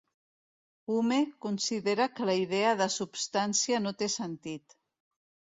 Hume considera que la idea de substància no té sentit.